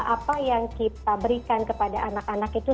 apa yang kita berikan kepada anak anak itu